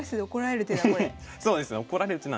そうですね。